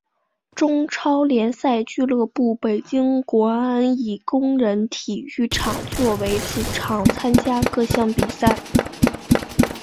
中超联赛俱乐部北京国安以工人体育场作为主场参加各项比赛。